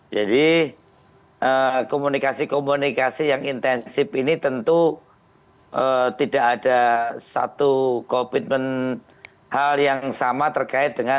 jadi komunikasi komunikasi yang intensif ini tentu tidak ada satu komitmen hal yang sama terkait dengan